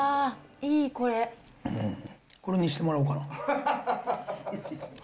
これにしてもらおうかな。